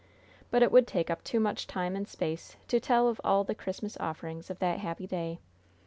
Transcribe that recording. But it would take up too much time and space to tell of all the Christmas offerings of that happy day.